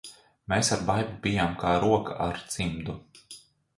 Mēs ar Baibu bijām kā roka ar cimdu.